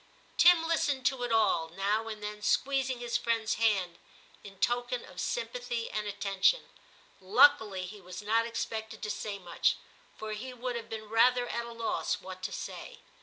* 234 TIM CHAP. Tim listened to it all, now and then squeezing his friends hand in token of sympathy and attention ; luckily he was not expected to say much, for he would have been rather at a loss what to say.